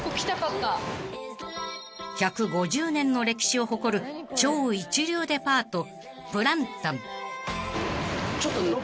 ［１５０年の歴史を誇る超一流デパート］